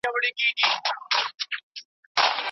زمری پرون تر ډېره وخته پوري په کار بوخت وو.